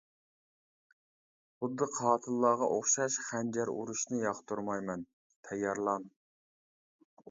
خۇددى قاتىللارغا ئوخشاش خەنجەر ئۇرۇشنى ياقتۇرمايمەن، تەييارلان!